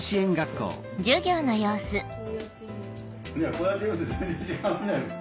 こうやってみると全然違うね。